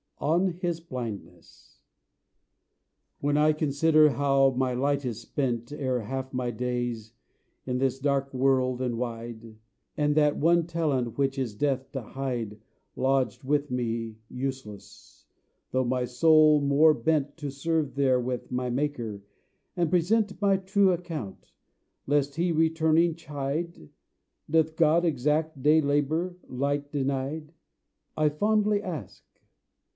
ON HIS BLINDNESS When I consider how my light is spent Ere half my days, in this dark world and wide, And that one talent which is death to hide Lodged with me useless, though my soul more bent To serve therewith my Maker, and present My true account, lest He returning chide; "Doth God exact day labour, light denied?" I fondly ask.